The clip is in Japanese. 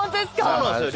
そうなんすよ